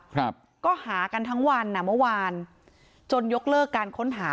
ครับก็หากันทั้งวันอ่ะเมื่อวานจนยกเลิกการค้นหา